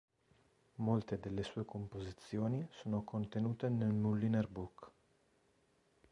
Molte delle sue composizioni sono contenute nel Mulliner Book.